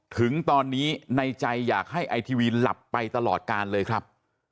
ถึงตอนนี้ในใจอยากให้ไอทีวีหลับไปตลอดการเลยครับ